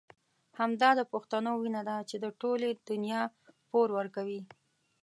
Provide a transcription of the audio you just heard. همدا د پښتنو وينه ده چې د ټولې دنيا پور ورکوي.